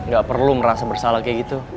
gak perlu merasa bersalah kayak gitu